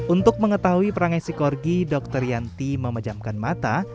untuk mengetahui perangai si corgi dokter yanti memejamkan mata